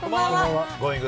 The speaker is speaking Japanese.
Ｇｏｉｎｇ！